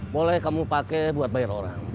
boleh kamu pakai buat bayar orang